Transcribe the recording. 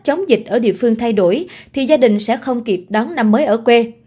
chống dịch ở địa phương thay đổi thì gia đình sẽ không kịp đón năm mới ở quê